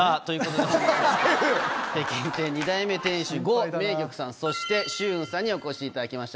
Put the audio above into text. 北京亭２代目店主呉明玉さんそして周雲さんにお越しいただきました